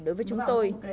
đối với chúng tôi